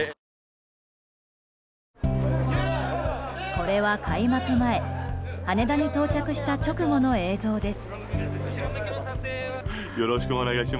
これは開幕前羽田に到着した直後の映像です。